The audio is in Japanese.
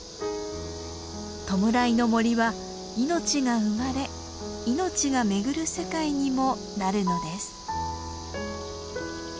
弔いの森は命が生まれ命が巡る世界にもなるのです。